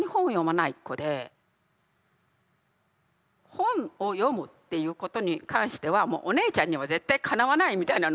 本を読むっていうことに関してはもうお姉ちゃんには絶対かなわないみたいなのがあって。